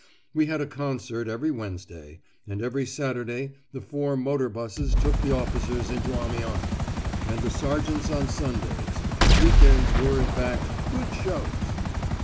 We had a concert every Wednesday, and every Saturday the four motor buses took the officers into Amiens, and the sergeants on Sundays week ends were in fact "good shows."